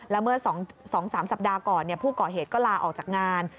แล้วเมื่อ๒๓สัปดาห์ก่อนผู้ก่อเหตุก็ลาออกจากงาน